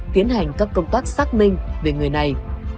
tiến hành các công tác xác minh về người này